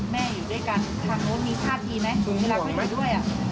แม่อยู่ด้วยกันทางโรงมีท่าทีไหม